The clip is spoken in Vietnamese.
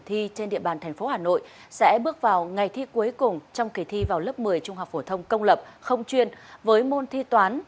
thi trên địa bàn thành phố hà nội sẽ bước vào ngày thi cuối cùng trong kỳ thi vào lớp một mươi trung học phổ thông công lập không chuyên với môn thi toán